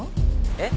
えっ？